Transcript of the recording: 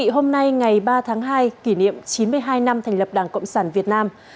hôm nay ngày ba tháng hai kỷ niệm chín mươi hai năm thành lập đảng cộng sản việt nam